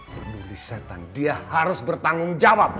penulis setan dia harus bertanggung jawab